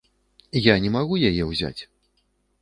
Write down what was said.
Я не магу яе ўзяць.